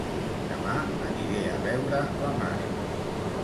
Demà aniré a veure la mare